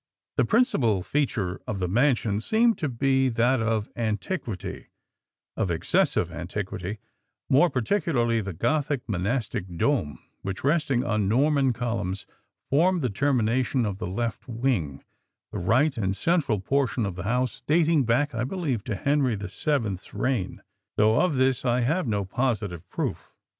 The principal feature of the mansion seemed to be that of antiquity, of excessive antiquity, more particularly the Gothic monastic dome which, resting on Norman columns, formed the termination of the left wing, the right and central portion of the house dating back I believe to Henry VIIth's reign though of this I have no positive proof.